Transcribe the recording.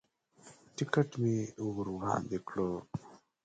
ټکټ مې ور وړاندې کړو.